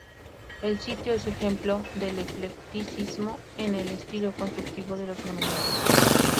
El sitio es ejemplo del eclecticismo en el estilo constructivo de los monumentos.